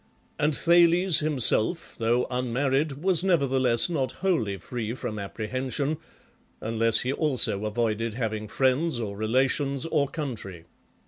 And Thales himself, though unmarried, was never theless not wholly free from apprehension, unless he also avoided having friends, or relations, or country.